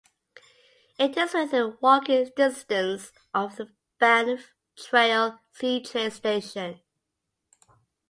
It is within walking distance of the Banff Trail C-Train station.